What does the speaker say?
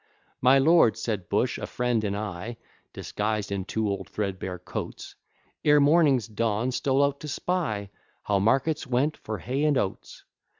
My lord, said Bush, a friend and I, Disguised in two old threadbare coats, Ere morning's dawn, stole out to spy How markets went for hay and oats.